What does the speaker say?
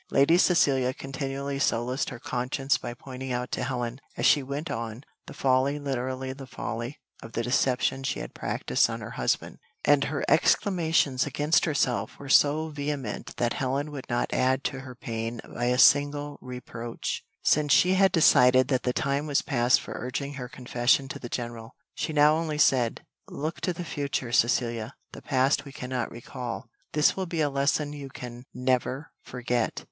Lady Cecilia continually solaced her conscience by pointing out to Helen, as she went on, the folly, literally the folly, of the deception she had practised on her husband; and her exclamations against herself were so vehement that Helen would not add to her pain by a single reproach, since she had decided that the time was past for urging her confession to the general. She now only said, "Look to the future, Cecilia, the past we cannot recall. This will be a lesson you can never forget."